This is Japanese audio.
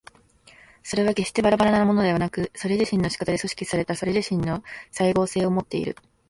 それは決してばらばらなものでなく、それ自身の仕方で組織されたそれ自身の斉合性をもっている。